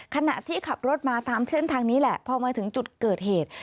ขณะที่ขับรถมาตามเส้นทางนี้แหละพอมาถึงจุดเกิดเหตุ